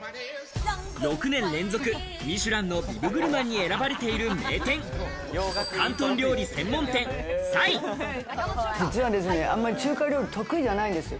６年連続、ミシュランのビブグルマンに選ばれている名店、中華料理、得意じゃないんですよ。